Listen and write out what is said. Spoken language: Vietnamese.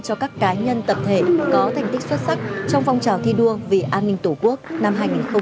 cho các cá nhân tập thể có thành tích xuất sắc trong phong trào thi đua vì an ninh tổ quốc năm hai nghìn hai mươi ba